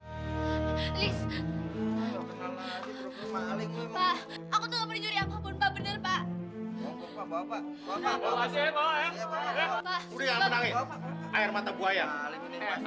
pak aku tuh gak boleh juri apapun pak